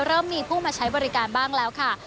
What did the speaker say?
เริ่มมีผู้มาใช้บริการบ้างแล้วค่ะ